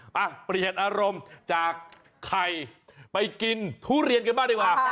เปลี่ยนอารมณ์จากไข่ไปกินทุเรียนกันบ้างดีกว่า